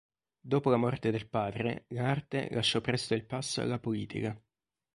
Dopo la morte del padre l'arte lasciò presto il passo alla politica.